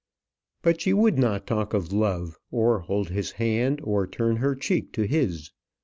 But she would not talk of love, or hold his hand, or turn her cheek to his.